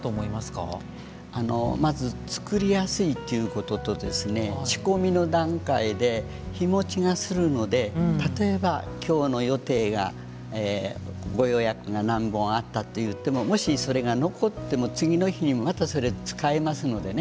まず作りやすいっていうことと仕込みの段階で日もちがするので例えば今日の予定がご予約が何本あったといってももしそれが残っても次の日にまたそれ使えますのでね